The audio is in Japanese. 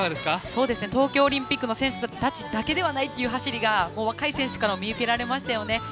東京オリンピックの選手だけじゃなくいい走りが若い選手からも見受けられましたよね。